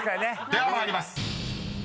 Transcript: ［では参ります］